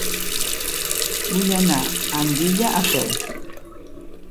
Vull anar a Andilla a peu.